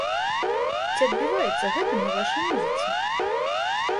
Ці адбіваецца гэта на вашай музыцы?